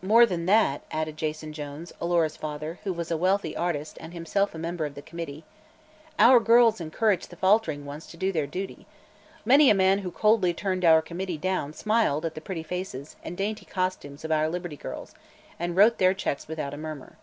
"More than that," added Jason Jones, Alora's father, who was a wealthy artist and himself a member of the Committee, "our girls encouraged the faltering ones to do their duty. Many a man who coldly turned our Committee down smiled at the pretty faces and dainty costumes of our Liberty Girls and wrote their checks without a murmur."